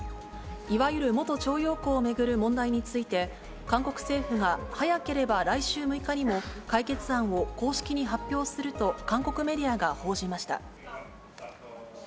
いわゆる元徴用工を巡る問題について、韓国政府が、早ければ来週６日にも解決案を公式に発表すると、韓国メディアが報じました。